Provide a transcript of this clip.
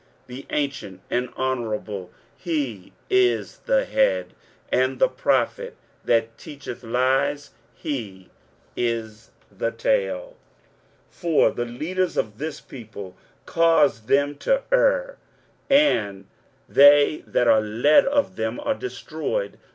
23:009:015 The ancient and honourable, he is the head; and the prophet that teacheth lies, he is the tail. 23:009:016 For the leaders of this people cause them to err; and they that are led of them are destroyed.